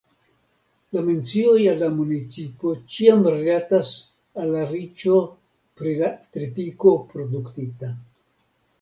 La mencioj al la municipo ĉiam rilatas al la riĉo pri la tritiko produktita.